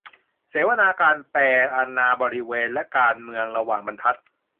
เสวนา "การแปล อาณาบริเวณ และการเมืองระหว่างบรรทัด"